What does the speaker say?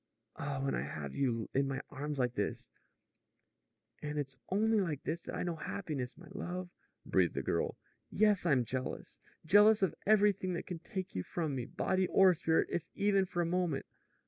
Ah, when I have you in my arms like this " "And it's only like this that I know happiness, my love," breathed the girl. "Yes; I'm jealous! Jealous of everything that can take you from me, body or spirit, if even for a moment.